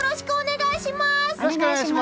よろしくお願いします！